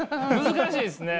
難しいですね。